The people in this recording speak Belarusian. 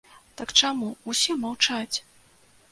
Так чаму ўсе маўчаць?